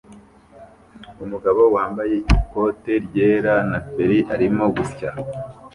Umugabo wambaye ikote ryera na feri arimo gusya